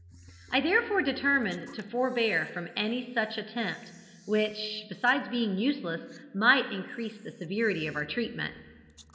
I therefore determined to forbear from any such attempt, which, besides being useless, might increase the severity of our treatment.